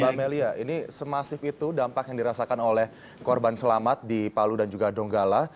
mbak melia ini semasif itu dampak yang dirasakan oleh korban selamat di palu dan juga donggala